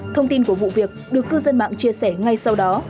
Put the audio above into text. thông tin của vụ việc được cư dân mạng chia sẻ ngay sau đó